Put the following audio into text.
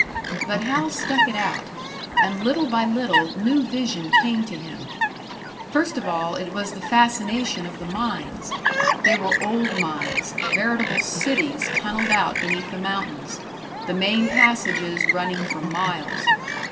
But Hal stuck it out; and little by little new vision came to him. First of all, it was the fascination of the mines. They were old mines veritable cities tunnelled out beneath the mountains, the main passages running for miles.